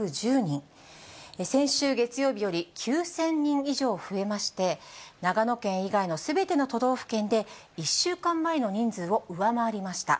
先週月曜日より９０００人以上増えまして、長野県以外のすべての都道府県で、１週間前の人数を上回りました。